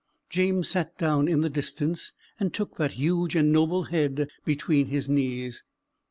James sat down in the distance, and took that huge and noble head between his knees.